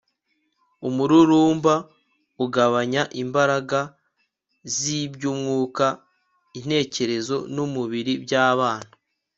umururumba ugabanya imbaraga z'iby'umwuka, intekerezo, n'umubiri by'abana